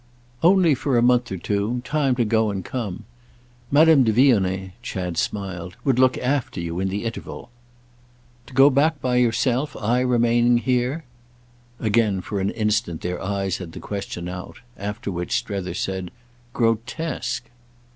"Only for a month or two—time to go and come. Madame de Vionnet," Chad smiled, "would look after you in the interval." "To go back by yourself, I remaining here?" Again for an instant their eyes had the question out; after which Strether said: "Grotesque!"